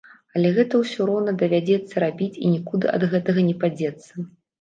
Але гэта ўсё роўна давядзецца рабіць, і нікуды ад гэтага не падзецца.